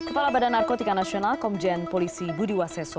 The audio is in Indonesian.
kepala badan narkotika nasional komjen polisi budiwaseso